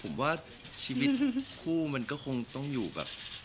ผมว่าชีวิตคู่มันก็คงต้องอยู่แบบ